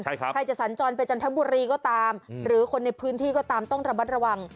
ใครจะสัญจรไปจันทบุรีก็ตามหรือคนในพื้นที่ก็ตามต้องระมัดระวัง